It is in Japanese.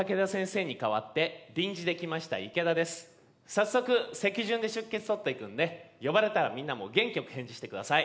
早速席順で出欠取っていくんで呼ばれたらみんなも元気よく返事してください。